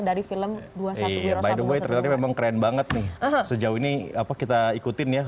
dari film dua puluh satu wiro sableng by the way trailernya memang keren banget nih sejauh ini apa kita ikutin ya